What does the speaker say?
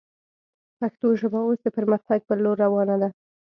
پښتو ژبه اوس د پرمختګ پر لور روانه ده